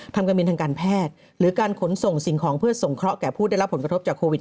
ทำการบินทางการแพทย์หรือการขนส่งสิ่งของเพื่อส่งเคราะแก่ผู้ได้รับผลกระทบจากโควิด